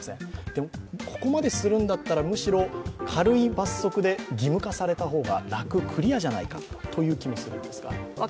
でも、ここまでするんだったら、むしろ軽い罰則で義務化された方が楽、クリアじゃないかという気もするんですが。